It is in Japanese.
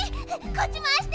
こっちまわして！